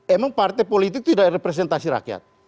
emang partai politik tidak representasi rakyat